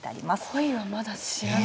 恋はまだ知らない？